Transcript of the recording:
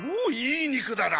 い肉だな！